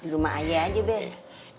di rumah ayah aja bek